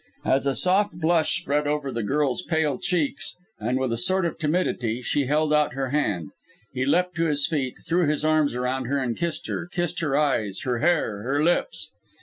As a soft blush spread over the girl's pale cheeks, and, with a sort of timidity, she held out her hand, he leapt to his feet, threw his arms around her, and kissed her; kissed her eyes, her hair, her lips!